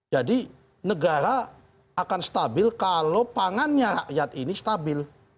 jadi negara akan stabil kalau pangannya rakyat ini stabil